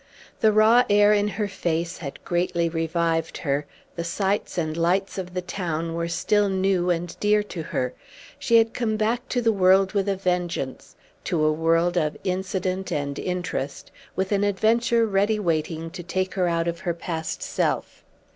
The raw air in her face had greatly revived her; the sights and lights of the town were still new and dear to her; she had come back to the world with a vengeance, to a world of incident and interest, with an adventure ready waiting to take her out of her past self!